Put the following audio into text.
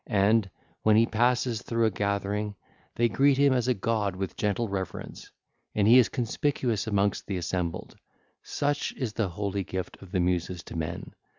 And when he passes through a gathering, they greet him as a god with gentle reverence, and he is conspicuous amongst the assembled: such is the holy gift of the Muses to men.